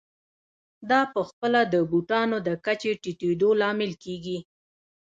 دا په خپله د بوټانو د کچې ټیټېدو لامل کېږي